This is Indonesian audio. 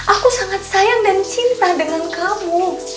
aku sangat sayang dan cinta dengan kamu